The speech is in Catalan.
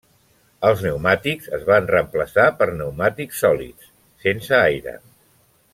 Els pneumàtics es van reemplaçar per pneumàtics sòlids, sense aire.